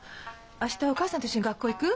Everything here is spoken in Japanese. あしたお母さんと一緒に学校へ行く？